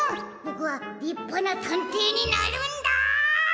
ボクはりっぱなたんていになるんだ！